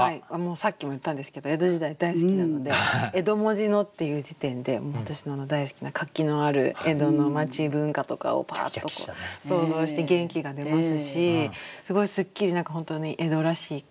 さっきも言ったんですけど江戸時代大好きなので「江戸文字の」っていう時点で私の大好きな活気のある江戸の町文化とかをパーッと想像して元気が出ますしすごいスッキリ何か本当に江戸らしい句。